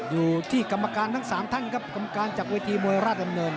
อยู่ที่กรรมการทั้ง๓ท่านครับกรรมการจากเวทีมวยราชดำเนิน